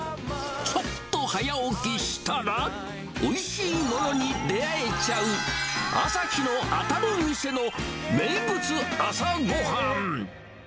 ちょっと早起きしたら、おいしいものに出会えちゃう、朝日の当たる店の名物朝ご飯。